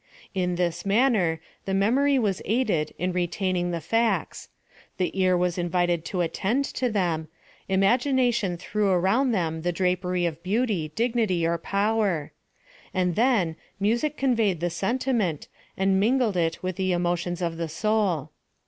In this maimer the memory was aided in retaining the facts ; the car was invited to attend to tiiem ; im agination threw around them the drapery of beauty, 230 PHILOSOPHY OP THE dignity, or power ; and then, music, conveyed the sentiment, and mingled if with the emotions of the soul.